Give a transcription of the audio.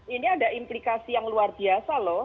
ini ada implikasi yang luar biasa loh